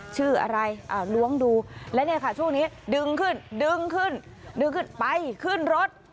ชื่ออะไรล้วงดูและช่วงนี้ดึงขึ้นดึงขึ้นไปขึ้นรถ